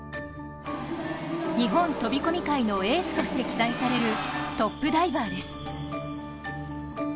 日本飛び込み界のエースとして期待されるトップダイバーです。